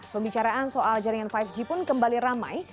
pembicaraan soal jaringan lima g pun kembali ramai